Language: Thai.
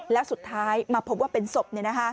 แล้วสุดท้ายมาพบว่าเป็นศพ